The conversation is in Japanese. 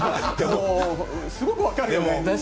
すごくわかるよ。